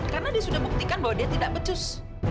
karena dia sudah buktikan bahwa dia tidak becus